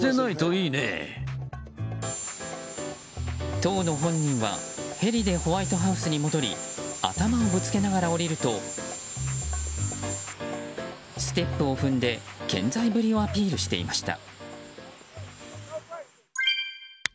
当の本人はヘリでホワイトハウスに戻り頭をぶつけながら降りるとステップを踏んで健在ぶりをアピールしていました。